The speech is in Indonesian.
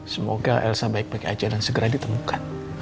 semoga elsa baik baik aja dan segera ditemukan